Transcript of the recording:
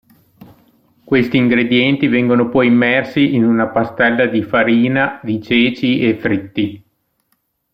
Questi ingredienti vengono poi immersi in una pastella di farina di ceci e fritti.